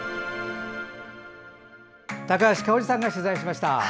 高橋香央里さんが取材しました。